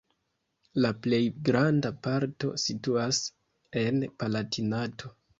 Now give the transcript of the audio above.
La plej granda parto situas en Palatinato.